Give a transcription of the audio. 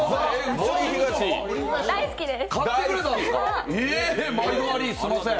大好きです！